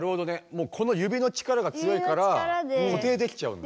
もうこの指の力が強いから固定できちゃうんだ。